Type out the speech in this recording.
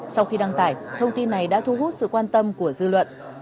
sau khi đăng tải thông tin này đã thu hút sự quan tâm của dư luận